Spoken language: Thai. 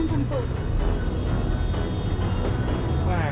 นี่ไม่ได้